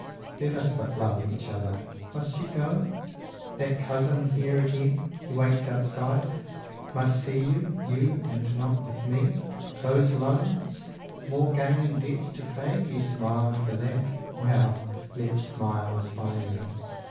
Let us but love each other. Must you go? That Cousin here again? He waits outside? 220 Must see you you, and not with me? Those loans? More gaming debts to pay? You smiled for that? Well, let smiles buy me!